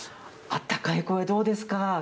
あったかい声、どうですか。